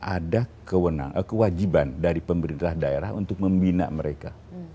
ada kewajiban dari pemerintah daerah untuk membina mereka